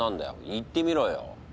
言ってみろよ。